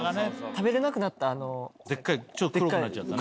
食べれなくなったあの。